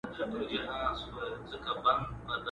څوک پاچا وي، څوک مُلا وي، څوک کلال دی!!